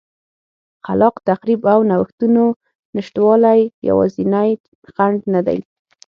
خلاق تخریب او نوښتونو نشتوالی یوازینی خنډ نه دی.